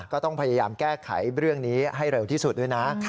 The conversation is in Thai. ก็ต้องพยายามแก้ไขเรื่องนี้ให้เร็วที่สุดด้วยนะ